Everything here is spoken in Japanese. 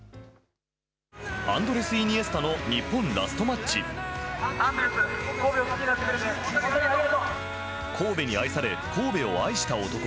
アンドレス・イニエスタの日神戸に愛され、神戸を愛した男。